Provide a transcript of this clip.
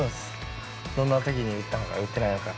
どんなときに打ったのか、打てないか。